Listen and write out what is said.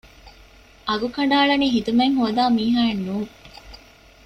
އަގު ކަނޑައަޅަނީ ޚިދުމަތް ހޯދާ މީހާއެއް ނޫން